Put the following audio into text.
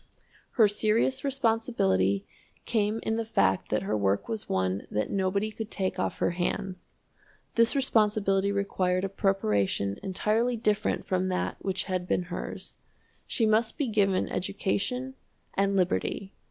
Her serious responsibility came in the fact that her work was one that nobody could take off her hands. This responsibility required a preparation entirely different from that which had been hers. She must be given education and liberty.